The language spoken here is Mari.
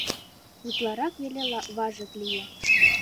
Утларак веле важык лие...